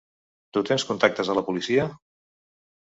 Tu tens contactes a la policia?